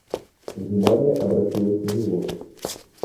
Внимание обратилось на него.